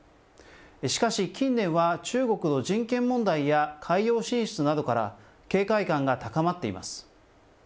しかし、近年は中国の人権問題や海洋進出などから、警戒感が高まっています。